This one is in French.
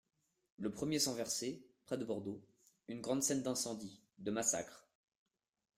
Le premier sang versé (près de Bordeaux), une grande scène d'incendie, de massacre.